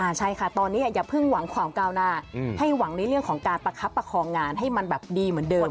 ใช่ค่ะตอนนี้อย่าเพิ่งหวังความก้าวหน้าให้หวังในเรื่องของการประคับประคองงานให้มันแบบดีเหมือนเดิม